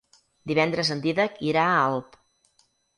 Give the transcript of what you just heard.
Divendres en Dídac irà a Alp.